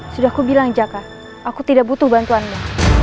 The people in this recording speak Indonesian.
sudah ku bilang jaka aku tidak butuh bantuanmu